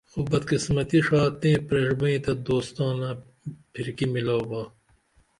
خو بدقسمتی ڜا تئیں پریڜبئیں تہ دوستانہ پھرکی میلو با